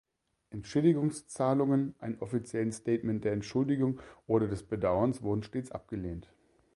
Entschädigungszahlungen, ein offiziellen Statement der Entschuldigung oder des Bedauerns wurden stets abgelehnt.